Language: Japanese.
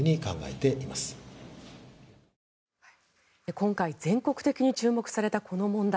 今回全国的に注目されたこの問題。